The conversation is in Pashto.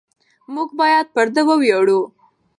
موږ باید پر ده وویاړو.